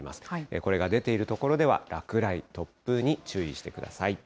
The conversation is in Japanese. これが出ている所では、落雷、突風に注意してください。